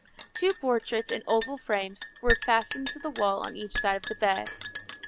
Two portraits in oval frames were fastened to the wall on each side of the bed.